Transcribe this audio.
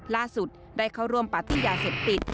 ล่าสุดได้เข้าร่วมปาร์ตี้ยาเสพติด